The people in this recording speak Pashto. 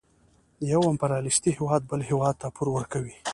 یو امپریالیستي هېواد بل هېواد ته پور ورکوي